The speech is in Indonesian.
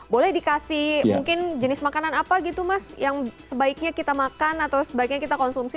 boleh dikasih mungkin jenis makanan apa gitu mas yang sebaiknya kita makan atau sebaiknya kita konsumsi